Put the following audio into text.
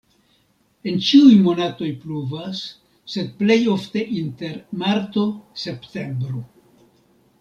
En ĉiuj monatoj pluvas, sed plej ofte inter marto-septembro.